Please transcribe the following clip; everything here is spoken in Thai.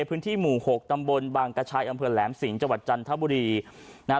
พื้นที่หมู่หกตำบลบางกระชายอำเภอแหลมสิงห์จังหวัดจันทบุรีนะฮะ